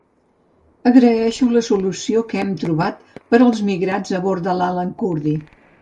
Agraeixo la solució que hem trobat per als migrants a bord de lAlan Kurdi.